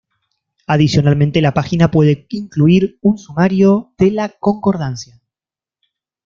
Adicionalmente la página puede incluir un sumario de la concordancia.